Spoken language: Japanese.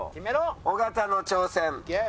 尾形の挑戦。